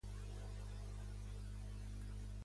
Josep Munné i Sampere va ser un futbolista nascut a Igualada.